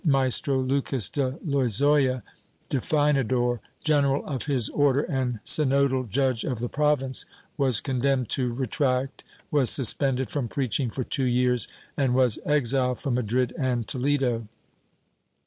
Maestro Lucas de Lozoya, Definidor General of his Order and synodal judge of the province, was condemned to retract, was suspended from preaching for two years and was exiled from Madrid and Toledo.